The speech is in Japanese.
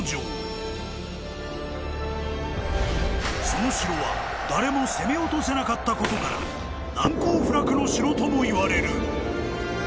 ［その城は誰も攻め落とせなかったことから難攻不落の城ともいわれる］